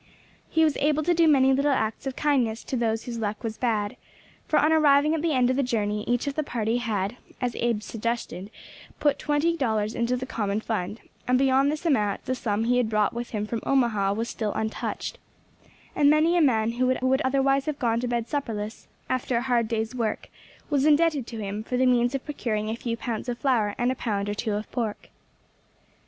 He was able to do many little acts of kindness to those whose luck was bad; for on arriving at the end of the journey each of the party had, at Abe's suggestion, put twenty dollars into the common fund, and beyond this amount the sum he had brought with him from Omaha was still untouched; and many a man who would otherwise have gone to bed supperless after a hard day's work, was indebted to him for the means of procuring a few pounds of flour and a pound or two of pork.